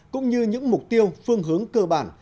cũng như những mục tiêu phương hướng cơ bản